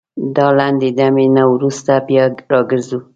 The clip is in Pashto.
دا لنډې دمي نه وروسته بيا راګرځوو